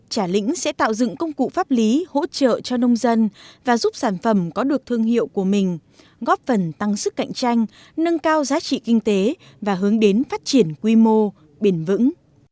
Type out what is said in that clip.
trà lĩnh sẽ tạo dựng công cụ pháp lý hỗ trợ cho nông dân và giúp sản phẩm có được thương hiệu của mình góp phần tăng sức cạnh tranh nâng cao giá trị kinh tế và hướng đến phát triển quy mô bền vững